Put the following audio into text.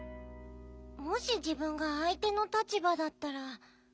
もしじぶんがあい手の立ばだったら。